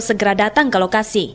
segera datang ke lokasi